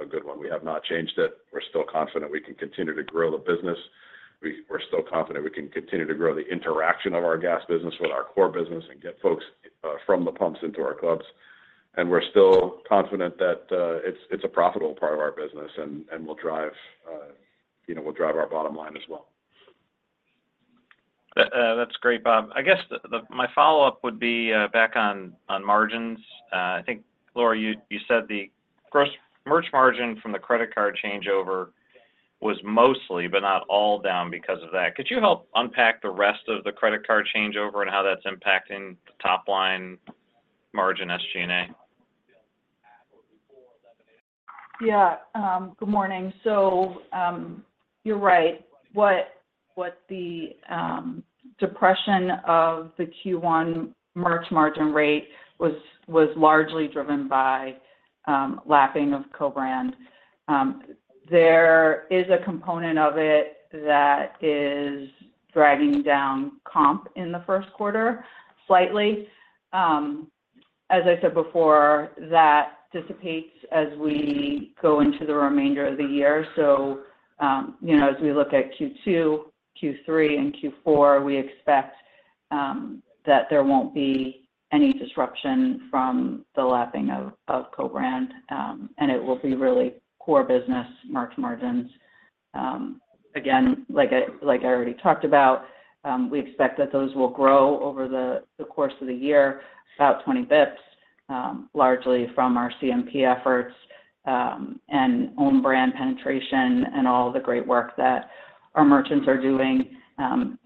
a good one. We have not changed it. We're still confident we can continue to grow the business. We're still confident we can continue to grow the interaction of our gas business with our core business and get folks from the pumps into our clubs... and we're still confident that it's a profitable part of our business, and will drive you know will drive our bottom line as well. That's great, Bob. I guess my follow-up would be back on margins. I think, Laura, you said the gross merch margin from the credit card changeover was mostly, but not all, down because of that. Could you help unpack the rest of the credit card changeover and how that's impacting the top line margin SG&A? Yeah. Good morning. So, you're right. What the depression of the Q1 merch margin rate was, was largely driven by lapping of co-brand. There is a component of it that is dragging down comp in the first quarter, slightly. As I said before, that dissipates as we go into the remainder of the year. So, you know, as we look at Q2, Q3, and Q4, we expect that there won't be any disruption from the lapping of co-brand, and it will be really core business merch margins. Again, like I already talked about, we expect that those will grow over the course of the year, about 20 basis points, largely from our CMP efforts, and own brand penetration and all the great work that our merchants are doing,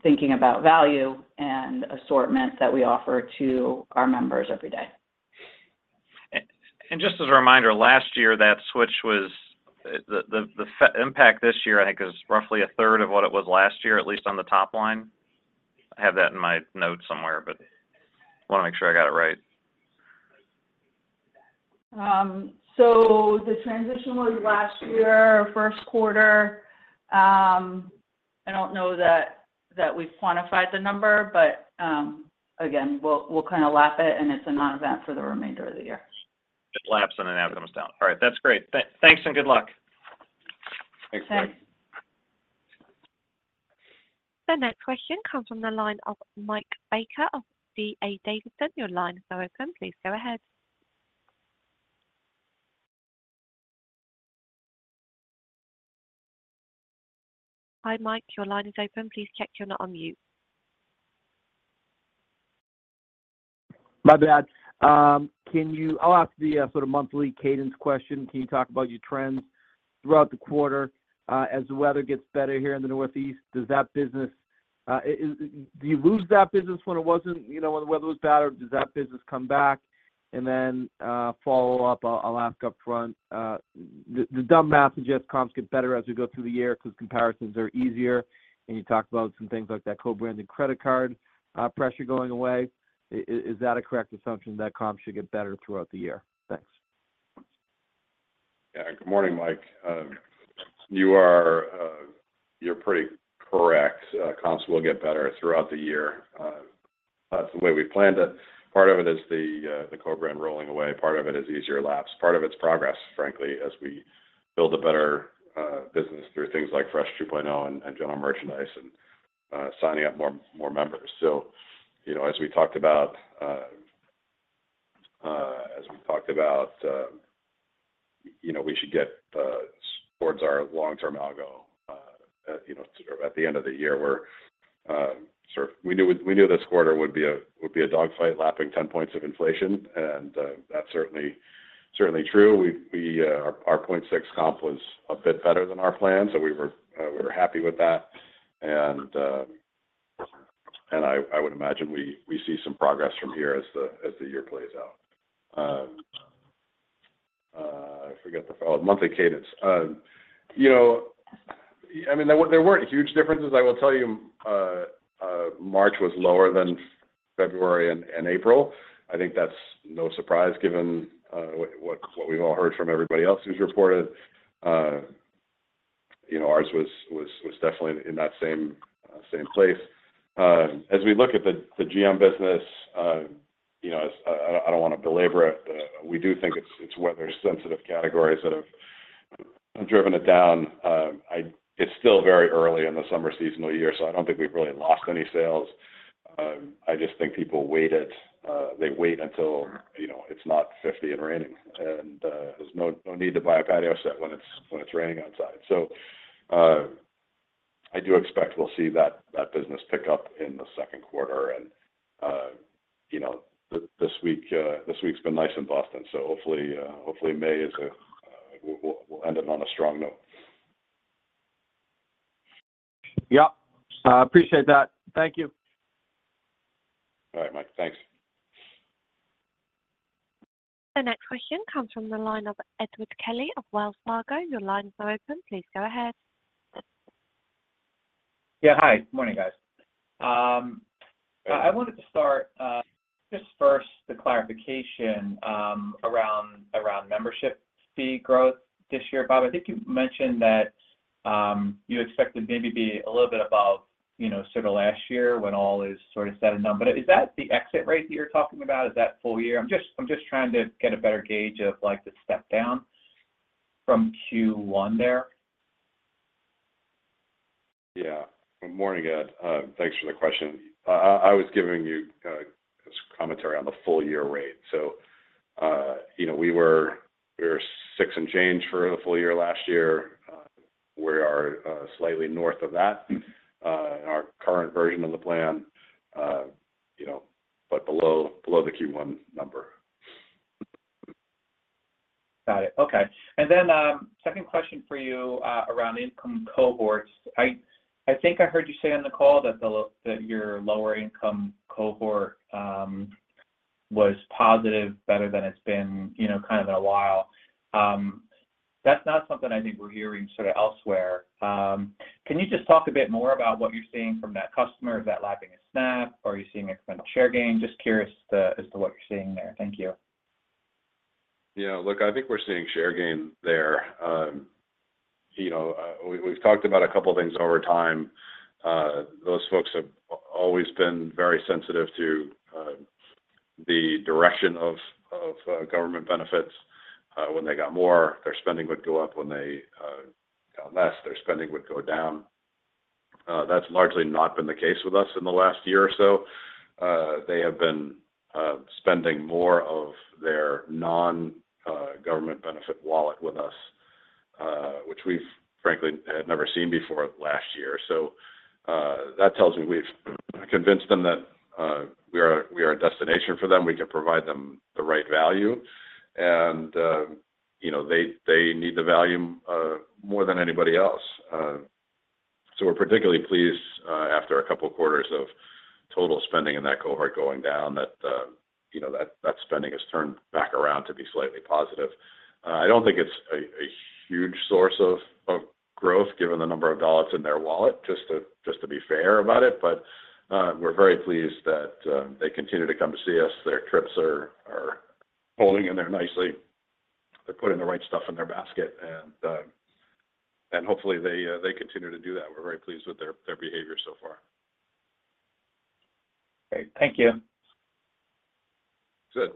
thinking about value and assortment that we offer to our members every day. Just as a reminder, last year that switch was the impact this year, I think, is roughly a third of what it was last year, at least on the top line. I have that in my notes somewhere, but I wanna make sure I got it right. So the transition was last year, first quarter. I don't know that we've quantified the number, but again, we'll kinda lap it, and it's a non-event for the remainder of the year. It laps and then after that comes down. All right. That's great. Thanks, and good luck. Thanks, Mike. Thanks. The next question comes from the line of Mike Baker of D.A. Davidson. Your line is now open. Please go ahead. Hi, Mike, your line is open. Please check you're not on mute. My bad. Can you—I'll ask the, sort of monthly cadence question. Can you talk about your trends throughout the quarter, as the weather gets better here in the Northeast, does that business, do you lose that business when it wasn't, you know, when the weather was bad, or does that business come back? And then, follow up, I'll, I'll ask upfront, the, the dumb math suggests comps get better as we go through the year because comparisons are easier, and you talked about some things like that co-branded credit card, pressure going away. Is that a correct assumption that comps should get better throughout the year? Thanks. Yeah. Good morning, Mike. You are, you're pretty correct. Comps will get better throughout the year. That's the way we planned it. Part of it is the co-brand rolling away, part of it is easier laps, part of it's progress, frankly, as we build a better business through things like Fresh 2.0 and general merchandise and signing up more members. So, you know, as we talked about, as we talked about, you know, we should get towards our long-term algo, you know, at the end of the year where, sort of we knew, we knew this quarter would be a, would be a dogfight, lapping 10 points of inflation, and that's certainly true. Our 0.6 comp was a bit better than our plan, so we were happy with that. And I would imagine we see some progress from here as the year plays out. I forget the follow-up, monthly cadence. You know, I mean, there weren't huge differences. I will tell you, March was lower than February and April. I think that's no surprise, given what we've all heard from everybody else who's reported. You know, ours was definitely in that same place. As we look at the GM business, you know, I don't want to belabor it, but we do think it's weather-sensitive categories that have driven it down. It's still very early in the summer seasonal year, so I don't think we've really lost any sales. I just think people waited. They wait until, you know, it's not 50 and raining, and, there's no need to buy a patio set when it's raining outside. So, I do expect we'll see that business pick up in the second quarter and, you know, this week, this week's been nice in Boston, so hopefully, hopefully May is, we'll end it on a strong note. Yeah, I appreciate that. Thank you. All right, Mike. Thanks. The next question comes from the line of Edward Kelly of Wells Fargo. Your line is now open. Please go ahead. Yeah, hi. Morning, guys. Hey... I wanted to start just first the clarification around membership fee growth this year. Bob, I think you mentioned that you expect to maybe be a little bit above, you know, sort of last year when all is sort of said and done. But is that the exit rate you're talking about? Is that full year? I'm just trying to get a better gauge of like the step down from Q1 there.... Good morning, Ed. Thanks for the question. I was giving you just commentary on the full year rate. So, you know, we were six and change for the full year last year. We are slightly north of that in our current version of the plan, you know, but below the Q1 number. Got it. Okay. And then, second question for you, around income cohorts. I think I heard you say on the call that your lower income cohort was positive, better than it's been, you know, kind of in a while. That's not something I think we're hearing sort of elsewhere. Can you just talk a bit more about what you're seeing from that customer? Is that lapping a SNAP, or are you seeing incremental share gain? Just curious as to what you're seeing there. Thank you. Yeah, look, I think we're seeing share gain there. You know, we've talked about a couple of things over time. Those folks have always been very sensitive to the direction of government benefits. When they got more, their spending would go up. When they got less, their spending would go down. That's largely not been the case with us in the last year or so. They have been spending more of their non-government benefit wallet with us, which we've frankly had never seen before last year. So, that tells me we've convinced them that we are a destination for them. We can provide them the right value. And, you know, they need the value more than anybody else. So we're particularly pleased, after a couple of quarters of total spending in that cohort going down, that you know, that spending has turned back around to be slightly positive. I don't think it's a huge source of growth, given the number of dollars in their wallet, just to be fair about it. But we're very pleased that they continue to come to see us. Their trips are holding in there nicely. They're putting the right stuff in their basket, and hopefully, they continue to do that. We're very pleased with their behavior so far. Great. Thank you. Good.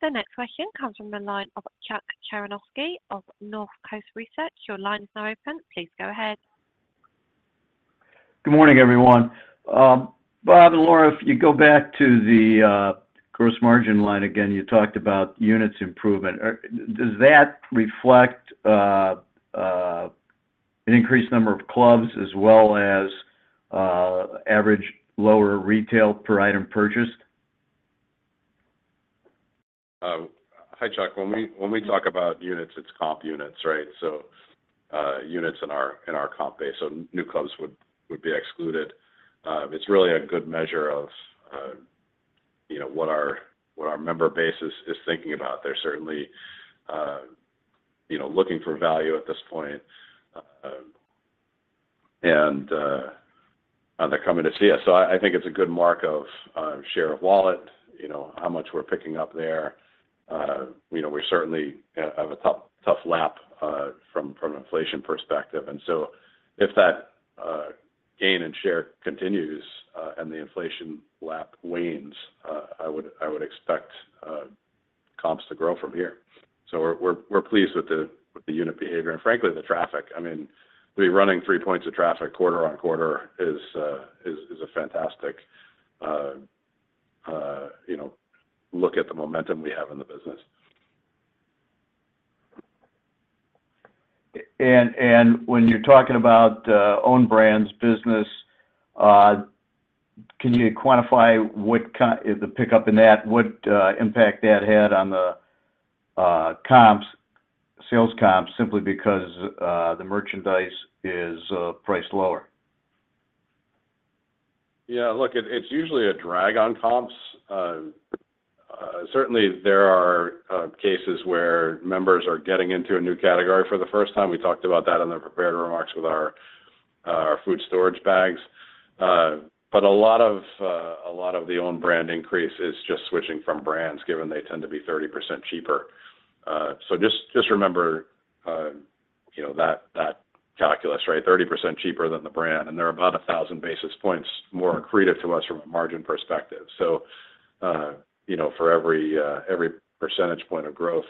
The next question comes from the line of Chuck Cerankosky of Northcoast Research. Your line is now open. Please go ahead. Good morning, everyone. Bob and Laura, if you go back to the, gross margin line again, you talked about units improvement. Does that reflect an increased number of clubs as well as average lower retail per item purchased? Hi, Chuck. When we talk about units, it's comp units, right? So, units in our comp base, so new clubs would be excluded. It's really a good measure of, you know, what our member base is thinking about. They're certainly, you know, looking for value at this point, and they're coming to see us. So I think it's a good mark of, share of wallet, you know, how much we're picking up there. You know, we certainly have a tough lap, from an inflation perspective. And so if that gain and share continues, and the inflation lap wanes, I would expect comps to grow from here. So we're pleased with the unit behavior and frankly, the traffic. I mean, we're running 3 points of traffic quarter-on-quarter. It is a fantastic, you know, look at the momentum we have in the business. When you're talking about own brands business, can you quantify what kind of impact the pickup in that had on the comps, sales comps, simply because the merchandise is priced lower? Yeah, look, it's usually a drag on comps. Certainly, there are cases where members are getting into a new category for the first time. We talked about that in the prepared remarks with our food storage bags. But a lot of the own brand increase is just switching from brands, given they tend to be 30% cheaper. So just remember, you know, that calculus, right? 30% cheaper than the brand, and they're about 1,000 basis points more accretive to us from a margin perspective. So, you know, for every percentage point of growth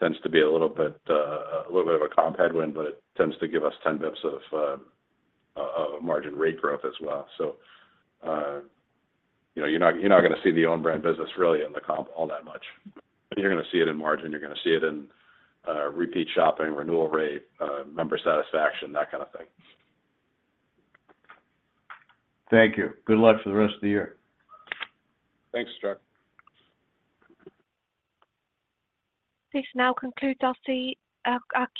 tends to be a little bit of a comp headwind, but it tends to give us ten bips of a margin rate growth as well. You know, you're not gonna see the own brand business really in the comp all that much, but you're gonna see it in margin, you're gonna see it in repeat shopping, renewal rate, member satisfaction, that kind of thing. Thank you. Good luck for the rest of the year. Thanks, Chuck. This now concludes our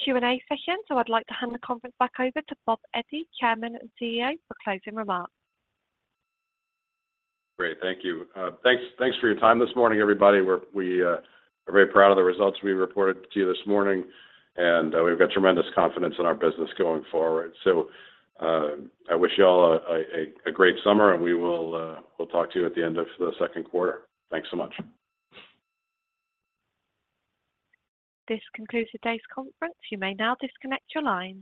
Q&A session. So I'd like to hand the conference back over to Bob Eddy, Chairman and CEO, for closing remarks. Great. Thank you. Thanks, thanks for your time this morning, everybody. We are very proud of the results we reported to you this morning, and we've got tremendous confidence in our business going forward. So, I wish you all a great summer, and we will, we'll talk to you at the end of the second quarter. Thanks so much. This concludes today's conference. You may now disconnect your lines.